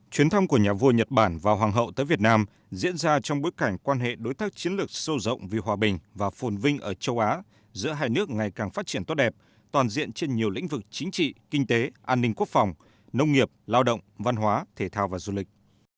chuyến thăm của nhà vua nhật bản và hoàng hậu tới việt nam diễn ra trong bối cảnh quan hệ đối tác chiến lược sâu rộng vì hòa bình và phồn vinh ở châu á giữa hai nước ngày càng phát triển tốt đẹp toàn diện trên nhiều lĩnh vực chính trị kinh tế an ninh quốc phòng nông nghiệp lao động văn hóa thể thao và du lịch